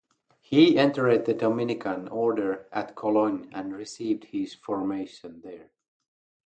He entered the Dominican Order at Cologne and received his formation there.